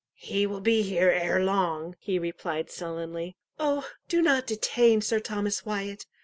"He will be here ere long," he replied sullenly. "Oh, do not detain Sir Thomas Wyat!"